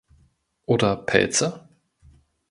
Oder Pelze?